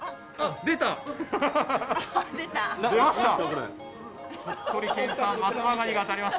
出ました。